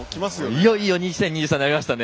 いよいよ２０２３年になりましたね。